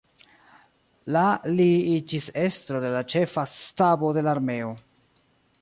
La li iĝis estro de la ĉefa stabo de la armeo.